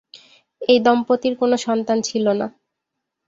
এই দম্পতির কোনো সন্তান ছিল না।